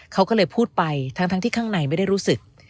เขาก็เลยพูดไปทั้งที่ข้างในไม่ได้รู้สึก